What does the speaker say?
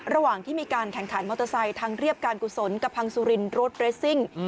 ระหว่างที่มีการแข่งขันมอเตอร์ไซค์ทางเรียบการกุศลกระพังสุรินรถเรสซิ่ง